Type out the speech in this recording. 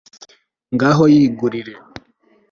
ngaho yigurire